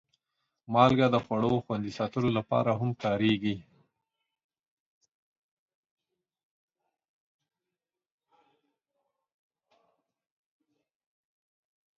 مالګه د خوړو خوندي ساتلو لپاره هم کارېږي.